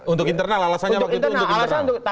untuk internal alasannya waktu itu untuk kejaksaan